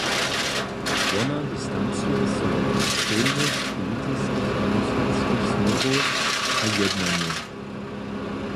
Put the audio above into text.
Wona distancuje so wot ekstremnych politiskich myslenskich směrow a jednanjow.